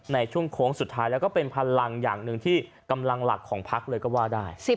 ในช่วงโค้งสุดท้ายแล้วก็เป็นพลังอย่างหนึ่งที่กำลังหลักของพักเลยก็ว่าได้